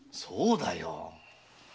そうだよ。